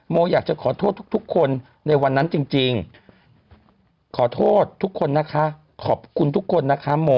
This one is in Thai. โมอยากจะขอโทษทุกคนในวันนั้นจริงขอโทษทุกคนนะคะขอบคุณทุกคนนะคะโม